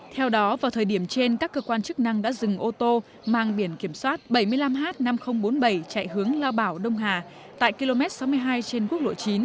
theo đó vào thời điểm trên các cơ quan chức năng đã dừng ô tô mang biển kiểm soát bảy mươi năm h năm nghìn bốn mươi bảy chạy hướng lao bảo đông hà tại km sáu mươi hai trên quốc lộ chín